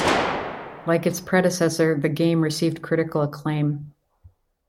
Like its predecessor, the game received critical acclaim.